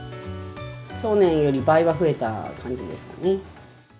去年より倍は増えた感じです